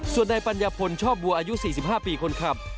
ส่วนในปัญญาพลชอบบัวอายุ๔๕ปีคนขับ